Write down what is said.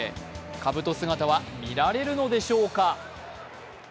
かぶと姿は見られるのでしょうか。